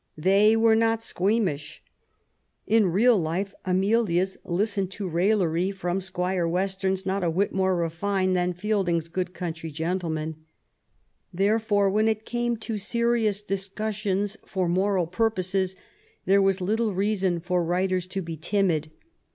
They were not squeamish. In real life Amelias listened to raillery from Squire Westerns not a whit more refined than Fielding's good country gentleman. Therefore, when it came to serious dis cussions for moral purposes, there was little reason for writers to be timid.